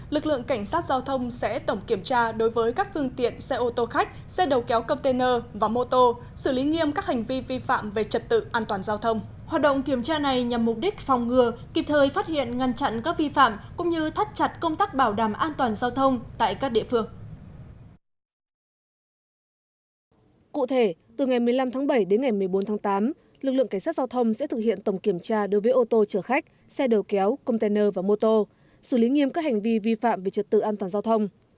lực lượng cảnh sát giao thông sẽ thực hiện tổng kiểm tra đối với ô tô chở khách xe đầu kéo container và mô tô xử lý nghiêm các hành vi vi phạm về trật tự an toàn giao thông